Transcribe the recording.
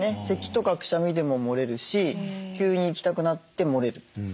せきとかくしゃみでももれるし急に行きたくなってもれる。